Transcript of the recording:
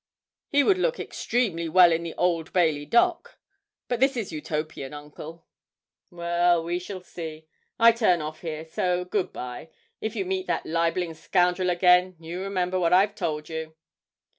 He would look extremely well in the Old Bailey dock. But this is Utopian, Uncle.' 'Well we shall see. I turn off here, so good bye. If you meet that libelling scoundrel again, you remember what I've told you.'